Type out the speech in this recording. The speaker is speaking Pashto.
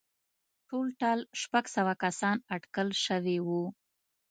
ټولټال شپږ سوه کسان اټکل شوي وو